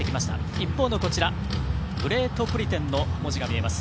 一方のグレートブリテンの文字が見えます。